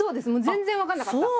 全然分かんなかった。